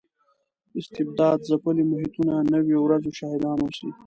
استبداد ځپلي محیطونه نویو ورځو شاهدان اوسي.